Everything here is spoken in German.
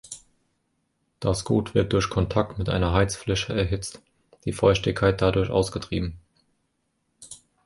Das Gut wird durch Kontakt mit einer Heizfläche erhitzt, die Feuchtigkeit dadurch ausgetrieben.